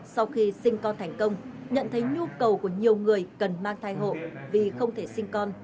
sau khi sinh con thành công nhận thấy nhu cầu của nhiều người cần mang thai hộ vì không thể sinh con